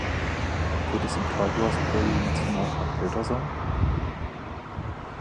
Wird es im Tallgrass Prairie Nationalpark kälter sein?